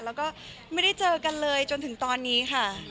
แล้วก็ไม่ได้เจอกันเลยจนถึงตอนนี้ค่ะ